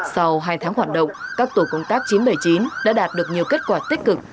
sau hai tháng hoạt động các tổ công tác chín trăm bảy mươi chín đã đạt được nhiều kết quả tích cực